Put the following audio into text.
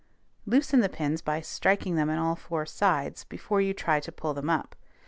Loosen the pins by striking them on all four sides before you try to pull them up.